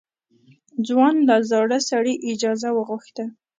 ځوان له زاړه سړي اجازه وغوښته.